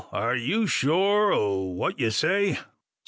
are you sure o' what ye say?"